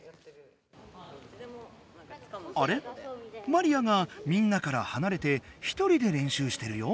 マリアがみんなからはなれてひとりで練習してるよ！